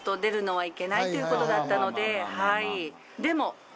はい！